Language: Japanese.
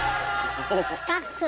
スタッフ！